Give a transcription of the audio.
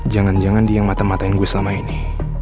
jangan jangan di yang mata matain gue selama ini